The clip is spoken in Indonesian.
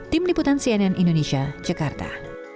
tim liputan cnn indonesia jakarta